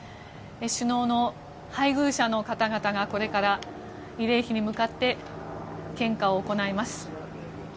首脳の配偶者の方々がこれから慰霊碑に向かって献花を行います。